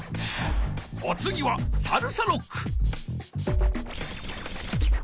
おつぎはサルサロック。